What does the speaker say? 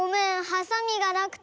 ハサミがなくて。